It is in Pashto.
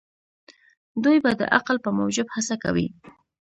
دوی به د عقل په موجب هڅه کوي.